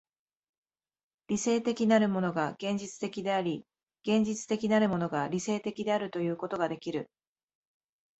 理性的なるものが現実的であり、現実的なるものが理性的であるということができる。